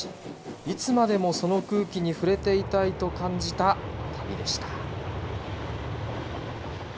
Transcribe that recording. いつまでも、その空気に触れていたいと感じた旅でした。